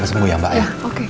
mbak coba sembuh ya mbak ya